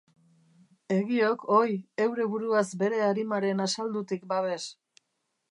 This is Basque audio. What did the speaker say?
Egiok, oi, heure buruaz bere arimaren asaldutik babes!